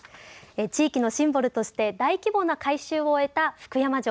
地域のシンボルとして大規模な改修を終えた福山城。